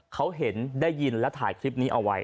เขาเห็นได้ยินและถ่ายคลิปนี้เอาไว้